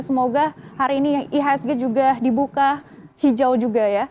semoga hari ini ihsg juga dibuka hijau juga ya